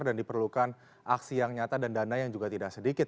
dan diperlukan aksi yang nyata dan dana yang juga tidak sedikit